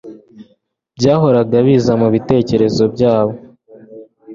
byahoraga biza mu bitekerezo byabo.